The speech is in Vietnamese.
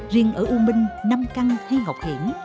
riêng ở u minh nam căng hay ngọc hiển